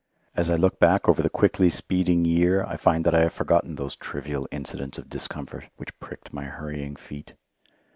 As I look back over the quickly speeding year I find that I have forgotten those trivial incidents of discomfort which pricked my hurrying feet.